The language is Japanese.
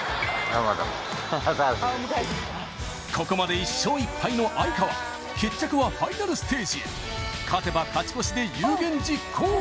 ここまで１勝１敗の哀川決着はファイナルステージへ勝てば勝ち越しで有言実行